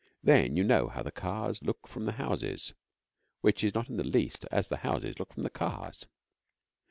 Then you know how the cars look from the houses; which is not in the least as the houses look from the cars.